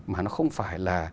mà nó không phải là